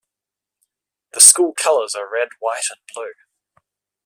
The school colors are red, white, and blue.